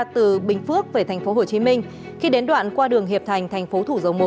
từ bình phước về tp hcm khi đến đoạn qua đường hiệp thành tp thủ dầu một